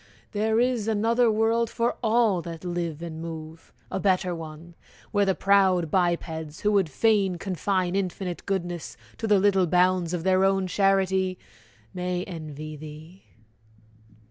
There is another world For all that live and move a better one! Where the proud bipeds, who would fain confine Infinite goodness to the little bounds Of their own charity, may envy thee!